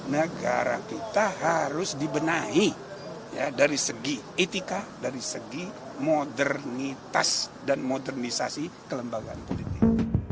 negara kita harus dibenahi dari segi etika dari segi modernitas dan modernisasi kelembagaan politik